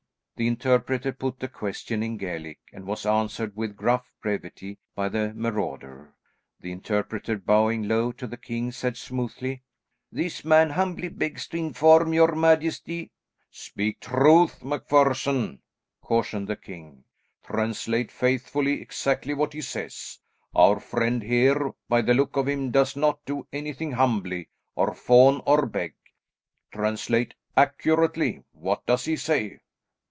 The interpreter put the question in Gaelic, and was answered with gruff brevity by the marauder. The interpreter, bowing low to the king, said smoothly, "This man humbly begs to inform your majesty " "Speak truth, MacPherson!" cautioned the king. "Translate faithfully exactly what he says. Our friend here, by the look of him, does not do anything humbly, or fawn or beg. Translate accurately. What does he say?"